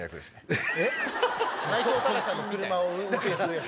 内藤剛志さんの車を運転する役です。